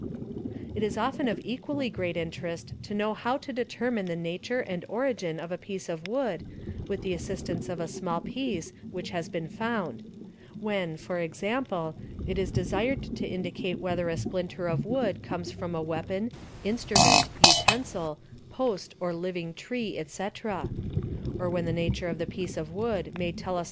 It is often of equally great interest to know how to determine the nature and origin of a piece of wood with the assistance of a small piece which has been found; when, ¢.g., it is desired to indicate whether a splinter of wood comes from a weapon, instrument, utensil, post, or 'living tree, etc.; or when the nature of the piece of wood may tell us